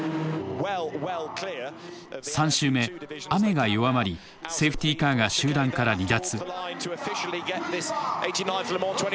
３周目雨が弱まりセーフティーカーが集団から離脱。